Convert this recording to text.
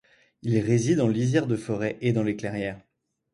Il réside en lisère de forêt et dans les clairières.